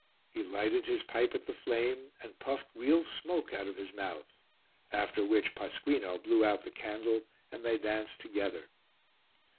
He lighted his pipe at the flame and puffed real smoke out of his mouth. After which Pasquino blew out the candle and they danced together.